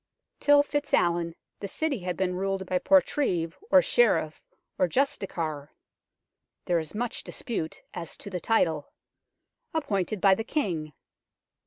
Till FitzAlwin the City had been ruled by portreeve, or sheriff, or justiciar (there is much dispute as to the title) appointed by the King.